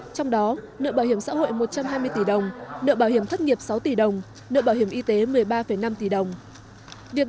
trong đó nợ bảo hiểm xã hội một trăm hai mươi tỷ đồng nợ bảo hiểm thất nghiệp sáu tỷ đồng nợ bảo hiểm y tế một mươi ba năm tỷ đồng